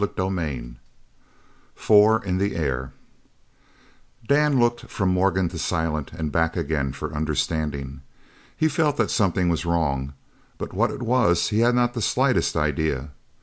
CHAPTER V FOUR IN THE AIR Dan looked from Morgan to Silent and back again for understanding. He felt that something was wrong, but what it was he had not the slightest idea.